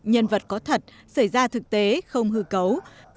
nhân vật có thật xảy ra thực tế không hư cấu